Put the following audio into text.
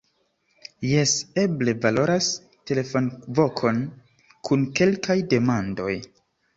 Jes, eble valoras telefonvokon kun kelkaj demandoj.